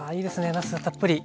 なすがたっぷり。